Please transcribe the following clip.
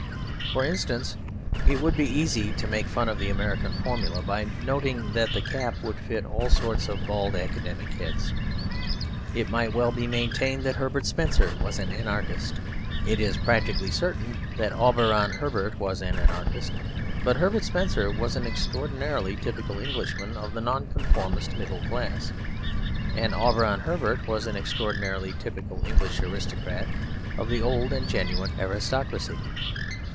For instance, it would be easy to make fun of the American formula by noting that the cap would fit all sorts of bald academic heads. It might well be maintained that Herbert Spencer was an anarchist. It is practically certain that Auberon Herbert was an anarchist. But Herbert Spencer was an extraordinarily typical Englishman of the Nonconformist middle class. And Auberon Herbert was an extraordinarily typical English aristocrat of the old and genuine aristocracy.